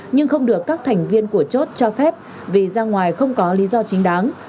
nhưng không được các thành viên của chốt cho phép vì ra ngoài không có lý do chính đáng